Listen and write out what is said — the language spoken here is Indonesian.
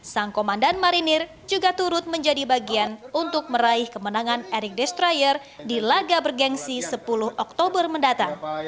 sang komandan marinir juga turut menjadi bagian untuk meraih kemenangan eric destrier di laga bergensi sepuluh oktober mendatang